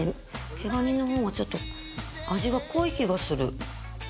毛ガニのほうがちょっと味が濃い気がする。